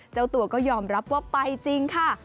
เจ้าตัวก็ยอมรับว่าไปจริงค่ะ